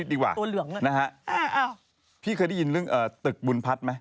ที่เคยได้ยินเรื่องตึกบุญพันธ์มั้ย